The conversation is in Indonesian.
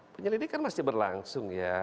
penyelidikan masih berlangsung ya